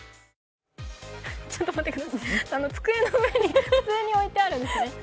ちょっと待ってください、机の上に普通においてあるんですね。